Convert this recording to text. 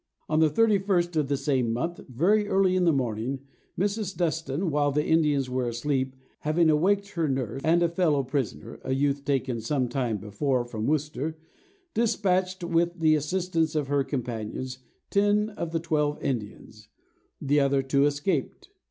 On the 31st of the same month, very early in the morning, Mrs. Dustan, while the Indians were asleep, having awaked her nurse, and a fellow prisoner (a youth taken some time before, from Worcester), despatched, with the assistance of her companions, ten of the twelve Indians; the other two escaped.